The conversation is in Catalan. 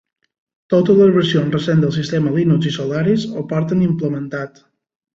Totes les versions recents dels sistemes Linux i Solaris ho porten implementat.